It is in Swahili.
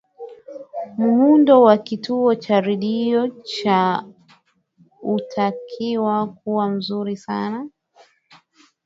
muundo wa kituo cha redio cha unatakiwa kuwa mzuri sana